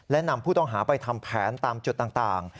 และนำผู้ต้องหาไปทำแผนตามจุดต่าง